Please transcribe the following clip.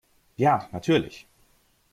Ja, natürlich!